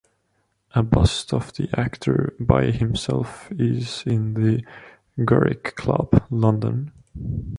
A bust of the actor by himself is in the Garrick Club, London.